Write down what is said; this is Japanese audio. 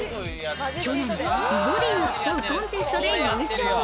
去年、美ボディを競うコンテストで優勝。